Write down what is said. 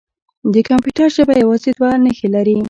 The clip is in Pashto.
د کمپیوټر ژبه یوازې دوه نښې لري.